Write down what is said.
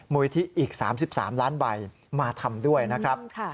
มูลิธิอีก๓๓ล้านใบมาทำด้วยนะครับ